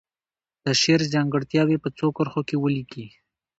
د شعر ځانګړتیاوې په څو کرښو کې ولیکي.